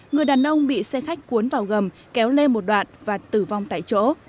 người đàn ông bị xe khách cuốn vào gầm kéo lê một đoạn và tử vong tại chỗ